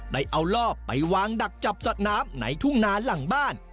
ได้เอาลอบไปวางดักจับสัตว์น้ำในทุ่งนาหลังบ้าน